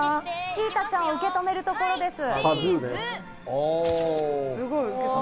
シータちゃんを受け止めるところです。